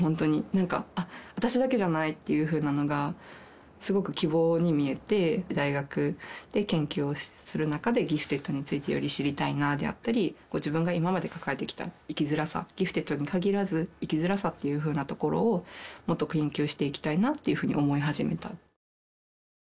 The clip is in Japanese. なんか、あっ、私だけじゃないっていうふうなのが、すごく希望に見えて、大学で研究をする中で、ギフテッドについてより知りたいなであったり、自分が今まで抱えてきた生きづらさ、ギフテッドに限らず、生きづらさっていうふうなところをもっと研究していきたいなっていうふうに思い始めた。